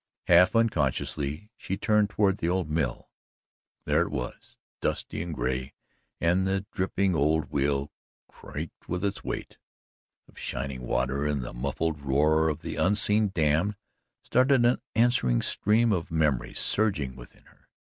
Half unconsciously she turned toward the old mill. There it was, dusty and gray, and the dripping old wheel creaked with its weight of shining water, and the muffled roar of the unseen dam started an answering stream of memories surging within her.